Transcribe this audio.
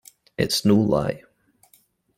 It's no lie.